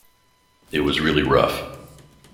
It was really rough.